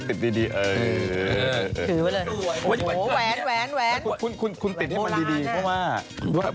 คุณดูดิดให้มันดีคุณติดให้มันดีเพราะว่า